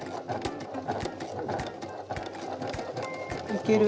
いける。